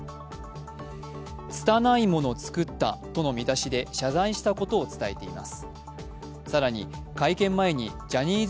「つたない物作った」との見出しで謝罪したことを伝えています。